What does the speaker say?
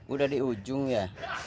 udah di ujung ya